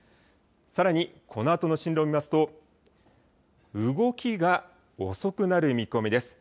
さらにこのあとの進路を見ますと、動きが遅くなる見込みです。